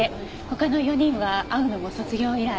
他の４人は会うのも卒業以来。